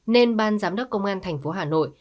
nên ban giám đốc công an thành phố hà nội